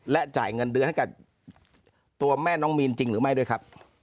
และจ่ายเงินเดือนให้กับตัวแม่น้องมีนจริงหรือไม่ด้วยครับ